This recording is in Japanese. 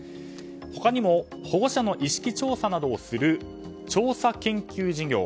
他にも、保護者の意識調査などをする調査研究事業。